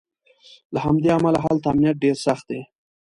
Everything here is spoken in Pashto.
له همدې امله هلته امنیت ډېر سخت دی.